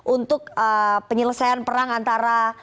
untuk penyelesaian perang antara